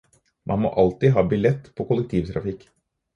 Man må alltid ha billett på kollektivtrafikk.